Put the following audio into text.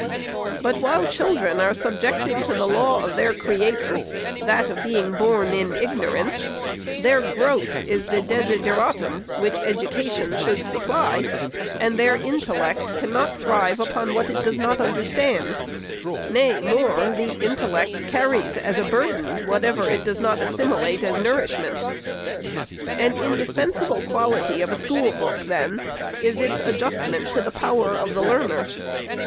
But while children are subjected to the law of their Creator, that of being born in ignorance, their growth is the desid eratum, which Education should supply, and their intel lect cannot thrive upon what it does not understand ;— nay, more, the intellect carries as a burden whatever it SECOND ANNUAL EEPORT. 537 does not assimilate as nourishment. An indispensable quality of a school book, then, is its adjustment to the power of the learner.